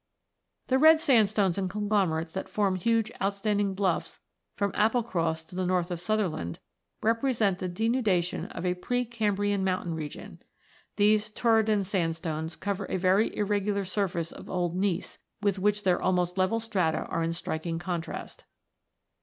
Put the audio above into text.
The red sandstones and conglomerates that form huge outstanding bluffs from Applecross to the north of Sutherland represent the denudation of a pre Cambrian mountain region. These Torridon Sand stones cover a very irregular surface of old gneiss, with which their almost level strata are in striking contrast.